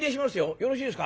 よろしいですか？